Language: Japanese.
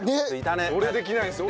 俺できないですよ。